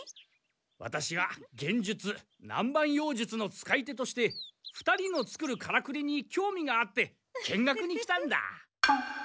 ワタシは幻術南蛮妖術の使い手として２人の作るカラクリにきょうみがあって見学に来たんだ。